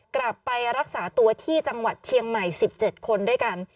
กลับไปรักษาตัวที่จังหวัดเชียงใหม่๑๗คนด้วยกัน